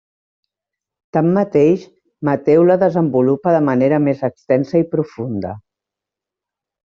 Tanmateix, Mateu la desenvolupa de manera més extensa i profunda.